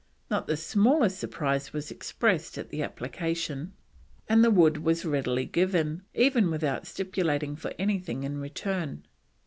Not the smallest surprise was expressed at the application, and the wood was readily given, even without stipulating for anything in return."